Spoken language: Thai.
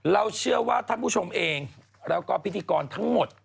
เราเชื่อว่าท่านผู้ชมเองแล้วก็พิธีกรทั้งหมด